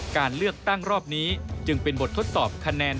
การเลือกตั้งรอบนี้จึงเป็นบททดสอบคะแนน